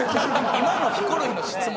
今のヒコロヒーの質問